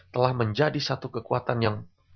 telah menjadi satu kekuatan yang